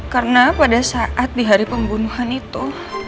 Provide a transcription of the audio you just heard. karena pada saat di hari pembunuhan itu